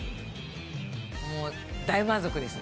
もう、大満足です。